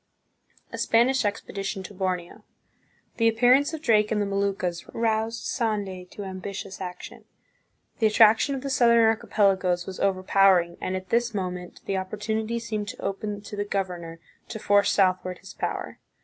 A Spanish Expedition to Borneo. The appearance of Drake in the Moluccas roused Sande to ambitious action. The attraction of the southern archipelagoes was over powering, and at this moment the opportunity seemed to open to the governor to force southward his power.